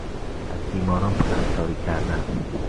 از بیماران پرستاری کردن